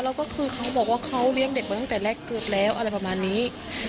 แล้วก็คือเขาบอกว่าเขาเลี้ยงเด็กมาตั้งแต่แรกเกิดแล้วอะไรประมาณนี้